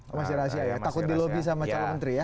masih rahasia ya takut dilobby sama calon menteri ya